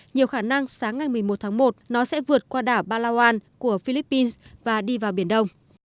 nhiều khả năng sáng ngày một mươi một tháng một nó sẽ vượt qua đảo palawan của philippines và đi vào biển đông